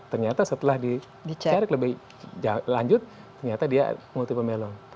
ternyata setelah dicari lebih lanjut ternyata dia multiple myeloma